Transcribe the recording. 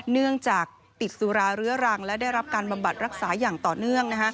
เนื่องจากติดสุราเรื้อรังและได้รับการบำบัดรักษาอย่างต่อเนื่อง